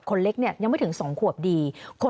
คนเล็กยังไม่ถึง๒ขวบดี